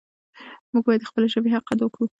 موږ باید د خپلې ژبې حق ادا کړو.